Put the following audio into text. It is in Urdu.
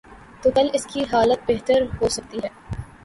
تو کل اس کی حالت بہتر بھی ہو سکتی ہے۔